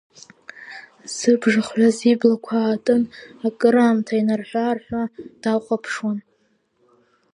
Зыбжа хҩаз иблақәа аатын, акыраамҭа инарҳәы-аарҳәуа дахәаԥшуан.